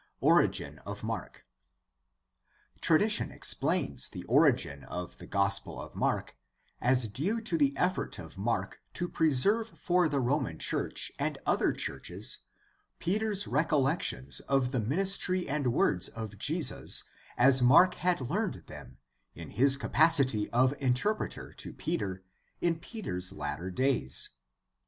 Origin of Mark. — Tradition explains the origin of the Gospel of Mark as due to the effort of Mark to preserve for the Roman church and other churches Peter's recollections of the ministry and words of Jesus as Mark had learned them in his capacity of interpreter to Peter in Peter's latter days.